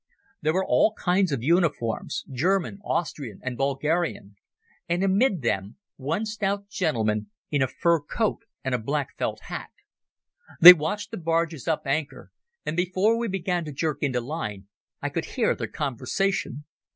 There were all kinds of uniforms—German, Austrian, and Bulgarian, and amid them one stout gentleman in a fur coat and a black felt hat. They watched the barges up anchor, and before we began to jerk into line I could hear their conversation.